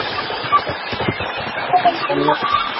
এরপর সেই প্রেমকে বিয়ে পর্যন্ত নিয়ে যেতে দুজনকেই পোড়াতে হয়েছে কাঠখড়।